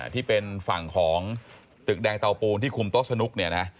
ที่เป็นฝั่งของตึกแดงเตาปูนที่คุมโต๊ะสนุกเนี่ยนะ